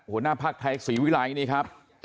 หัวหน้าภาคไทยศรีวิไลน์นี่ครับ